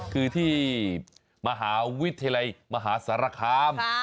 คือที่มหาวิทยาลัยมหาสารคาม